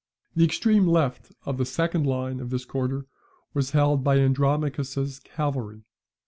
The extreme left of the second line in this quarter was held by Andromachus's cavalry.